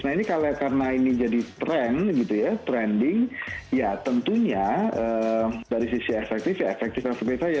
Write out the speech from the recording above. nah ini karena ini jadi trend trending ya tentunya dari sisi efektif ya efektif efektif saja